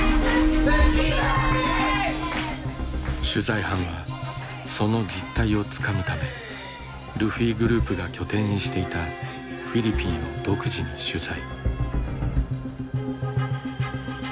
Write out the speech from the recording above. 取材班はその実態をつかむためルフィグループが拠点にしていたフィリピンを独自に取材。